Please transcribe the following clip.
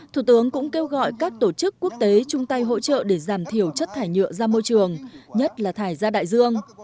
thủ tướng cũng kêu gọi các tổ chức quốc tế chung tay hỗ trợ để giảm thiểu chất thải nhựa ra môi trường nhất là thải ra đại dương